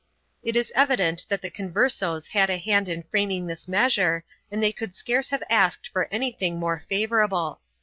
1 It is evident that the Converses had a hand in framing this measure and they could scarce have asked for anything more favorable.